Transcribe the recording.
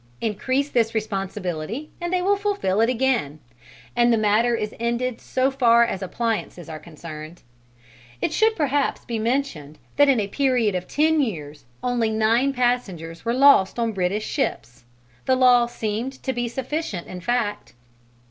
Increase this responsibility and they will fulfil it again and the matter is ended so far as appliances are concerned. It should perhaps be mentioned that in a period of ten years only nine passengers were lost on British ships: the law seemed to be sufficient in fact.